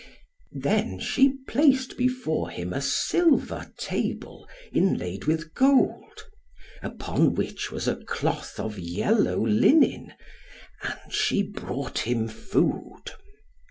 Then she placed before him a silver table, inlaid with gold; upon which was a cloth of yellow linen; and she brought him food.